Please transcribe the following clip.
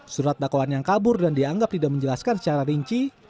surat dakwaan yang kabur dan dianggap tidak menjelaskan secara rinci